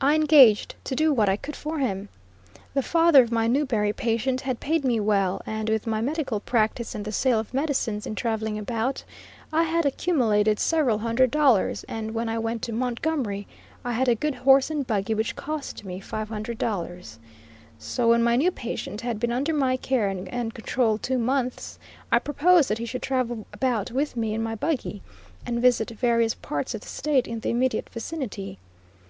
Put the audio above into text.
I engaged to do what I could for him. The father of my Newbury patient had paid me well, and with my medical practice and the sale of medicines in traveling about, I had accumulated several hundred dollars, and when I went to Montgomery I had a good horse and buggy which cost me five hundred dollars. So, when my new patient had been under my care and control two months, I proposed that he should travel about with me in my buggy, and visit various parts of the State in the immediate vicinity.